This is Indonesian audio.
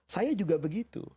saya juga begitu